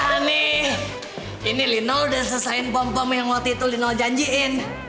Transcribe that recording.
hah nih ini lino udah selesain pom pom yang waktu itu lino janjiin